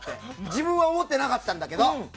自分は思ってなかったんだけど。